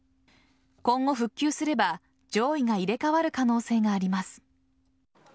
今後、復旧すれば上位が入れ替わる可能性があります。